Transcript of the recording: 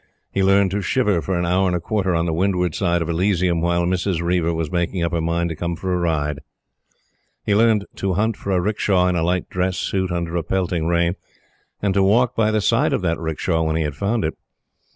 He learned to shiver for an hour and a quarter on the windward side of Elysium while Mrs. Reiver was making up her mind to come for a ride. He learned to hunt for a 'rickshaw, in a light dress suit under a pelting rain, and to walk by the side of that 'rickshaw when he had found it.